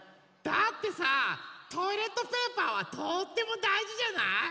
だってさトイレットペーパーはとってもだいじじゃない？